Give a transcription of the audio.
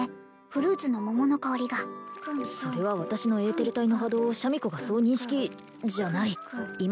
フルーツの桃の香りがそれは私のエーテル体の波動をシャミ子がそう認識じゃない今